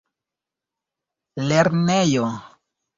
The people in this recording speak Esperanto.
lernejo